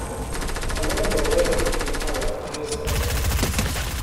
Orenco later became part of Hillsboro.